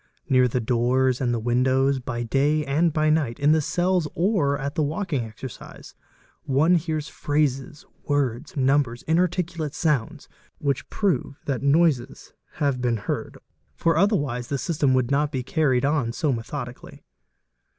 | Near the doors and the windows, by day and by night, in the cells or at ~ the walking exercise, one hears phrases, words, numbers, inarticulate —| sounds; which prove that noises have been heard, for otherwise the system would not be carried on so methodically.